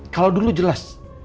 kalau dulu jelas